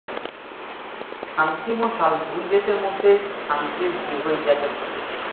শান্তি মশাল দুই দেশের মধ্যে শান্তির দীর্ঘ ইতিহাসের প্রতীক।